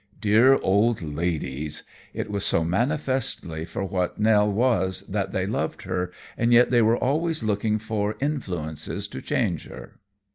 Dear old ladies! It was so manifestly for what Nell was that they loved her, and yet they were always looking for "influences" to change her.